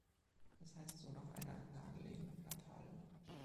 Es heißt so nach einer nahegelegenen Plantage.